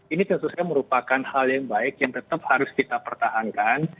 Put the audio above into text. ini tentu saja merupakan hal yang baik yang tetap harus kita pertahankan